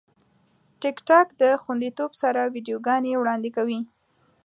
ټیکټاک د خوندیتوب سره ویډیوګانې وړاندې کوي.